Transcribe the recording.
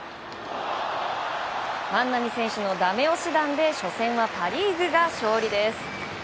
万波選手のダメ押し弾で初戦はパ・リーグが勝利です。